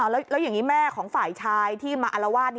แล้วอย่างนี้แม่ของฝ่ายชายที่มาอารวาส